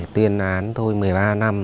tuyên án tôi một mươi ba năm